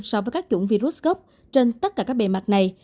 so với các chủng virus gốc trên tất cả các bề mặt này